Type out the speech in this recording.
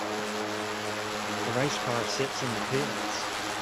A race car sits in the pits.